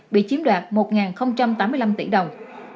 bị chiếm đoạt một tám mươi năm tỷ đồng